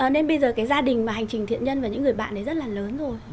nên bây giờ cái gia đình mà hành trình thiện nhân và những người bạn đấy rất là lớn rồi